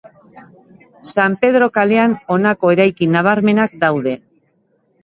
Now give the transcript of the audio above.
San Pedro kalean honako eraikin nabarmenak daude.